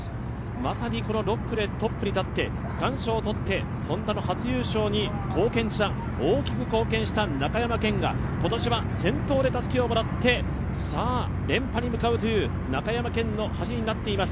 まさにこの６区でトップに立って区間賞を取ってＨｏｎｄａの初優勝に大きく貢献した中山顕が、今年は先頭でたすきをもらって連覇に向かうという中山顕の走りになっています。